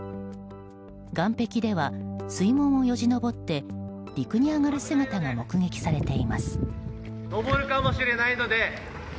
岸壁では、水門をよじ登って陸に上がる姿が目撃されています。